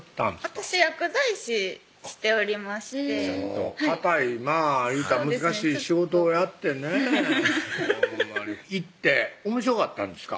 私薬剤師しておりましてかたいまぁ言うたら難しい仕事をやってねほんまに行っておもしろかったんですか？